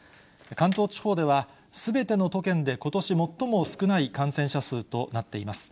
関東地方では、すべての都県でことし最も少ない感染者数となっています。